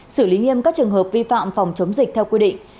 xử lý nghiêm các trường hợp vi phạm phòng chống dịch theo quy định